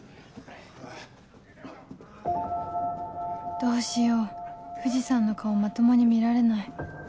どうしよう藤さんの顔まともに見られない